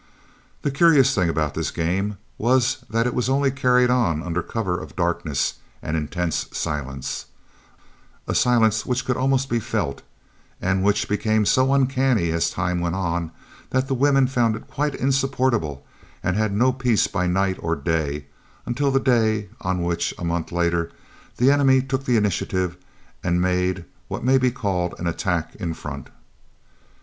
The curious thing about this game was that it was only carried on under cover of darkness and intense silence, a silence which could almost be felt, and which became so uncanny as time went on that the women found it quite insupportable and had no peace by night or by day until the day on which, a month later, the enemy took the initiative and made what may be called an attack in front.